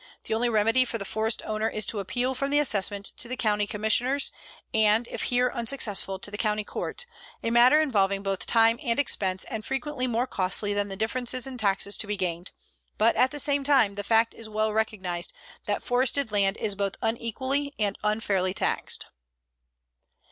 The only remedy for the forest owner is to appeal from the assessment to the county commissioners, and, if here unsuccessful, to the county court, a matter involving both time and expense and frequently more costly than the differences in taxes to be gained; but at the same time the fact is well recognized that forested land is both unequally and unfairly taxed.